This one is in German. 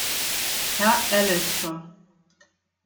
Herr Allister!